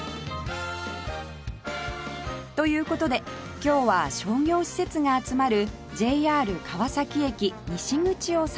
という事で今日は商業施設が集まる ＪＲ 川崎駅西口を散歩